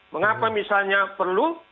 mengapa misalnya perlu